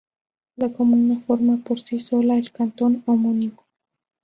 La comuna forma por sí sola el cantón homónimo.